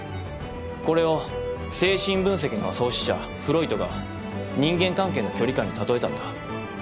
これを精神分析の創始者フロイトが人間関係の距離感に例えたんだ。